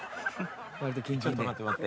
ちょっと待って待って。